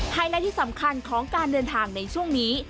ไลท์ที่สำคัญของการเดินทางในช่วงนี้